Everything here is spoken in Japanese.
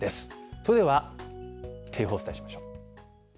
それでは、警報をお伝えしましょう。